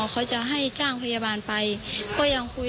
เขาก็บอกว่าได้ได้๓๐๐๐